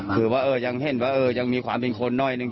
คือว่าเออยังเห็นว่าเออยังมีความผิดคนหน่อยหนึ่ง